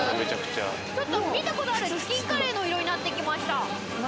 ちょっと見たことあるチキンカレーの色になって来ました。